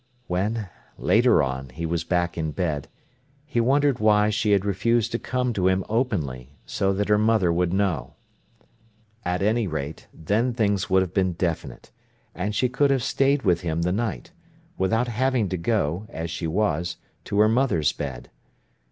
When, later on, he was back in bed, he wondered why she had refused to come to him openly, so that her mother would know. At any rate, then things would have been definite. And she could have stayed with him the night, without having to go, as she was, to her mother's bed.